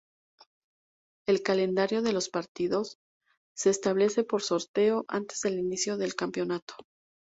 El calendario de los partidos se establece por sorteo antes del inicio del campeonato.